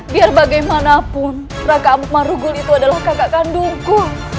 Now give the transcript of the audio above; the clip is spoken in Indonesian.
biar bagaimanapun raka amuk marugol itu adalah kakak kandungku